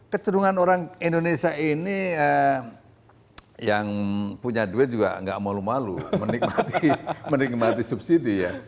kecerungan orang indonesia ini yang punya duit juga nggak malu malu menikmati subsidi ya